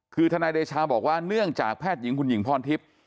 คือทนายเดชาบอกว่าเนื่องจากแพทย์หญิงคุณหญิงพรทิพย์